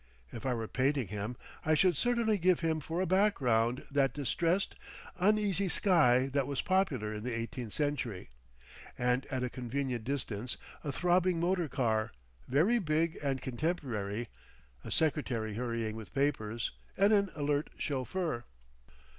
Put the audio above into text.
If I were painting him, I should certainly give him for a background that distressed, uneasy sky that was popular in the eighteenth century, and at a convenient distance a throbbing motor car, very big and contemporary, a secretary hurrying with papers, and an alert chauffeur.